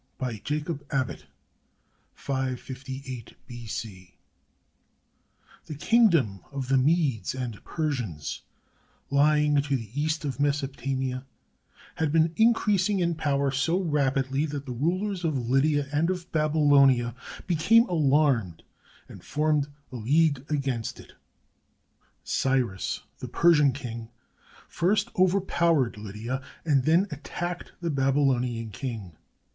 C.] BY JACOB ABBOTT [The kingdom of the Medes and Persians, lying to the east of Mesopotamia, had been increasing in power so rapidly that the rulers of Lydia and of Babylonia became alarmed and formed a league against it. Cyrus, the Persian king, first overpowered Lydia, and then attacked the Babylonian king.